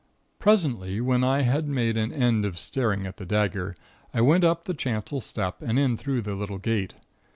"Presently, when I had made an end of staring at the dagger, I went up the chancel step and in through the little gate.